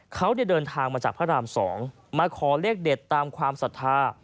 เขาเดินทางมาจากพระราม๒มาขอเลขเด็ดตามความศรัทธา